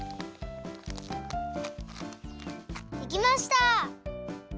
できました！